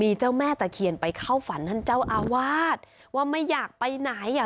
มีเจ้าแม่ตะเคียนไปเข้าฝันท่านเจ้าอาวาสว่าไม่อยากไปไหนอ่ะ